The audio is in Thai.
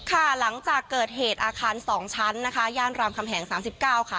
ค่ะหลังจากเกิดเหตุอาคารสองชั้นนะคะย่านรามคำแหงสามสิบเก้าค่ะ